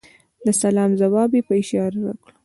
د سلام ځواب یې په اشاره راکړ .